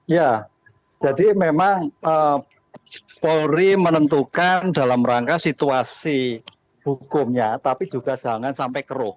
ya jadi memang polri menentukan dalam rangka situasi hukumnya tapi juga jangan sampai keruh